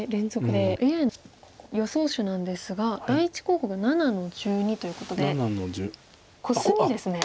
ＡＩの予想手なんですが第１候補が７の十二ということでコスミですね。